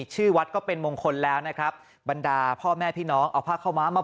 ชื่อวัดก็เป็นมงคลแล้วนะครับบรรดาพ่อแม่พี่น้องเอาผ้าข้าวม้ามา